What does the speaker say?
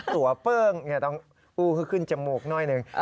ตัวเปิ้งต้องอู้คือขึ้นจมูกหน่อยหนึ่ง